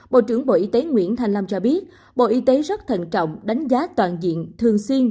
bộ trưởng bộ y tế nguyễn thanh long cho biết bộ y tế rất thận trọng đánh giá toàn diện